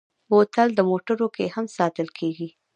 بوتل د موټرو کې هم ساتل کېږي.